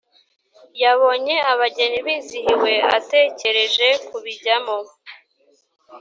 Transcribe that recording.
Yabonye abageni bizihiwe atekereje kubijyamo